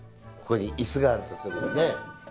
ここにイスがあるとするよね。